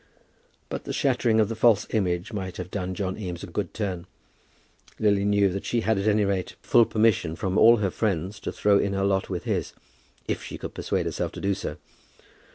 But the shattering of the false image might have done John Eames a good turn. Lily knew that she had at any rate full permission from all her friends to throw in her lot with his, if she could persuade herself to do so.